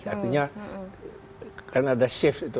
artinya karena ada shift itu